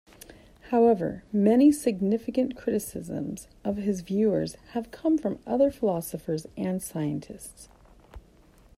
However, many significant criticisms of his views have come from other philosophers and scientists.